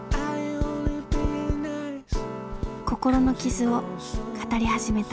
心の傷を語り始めた。